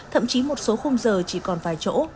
thậm chí một số khung giờ chỉ còn vài chỗ